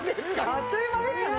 あっという間ですね。